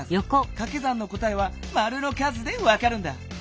かけ算の答えはマルの数でわかるんだ。